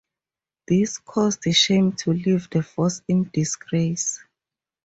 This caused Shame to leave the force in disgrace.